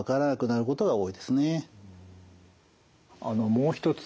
もう一つ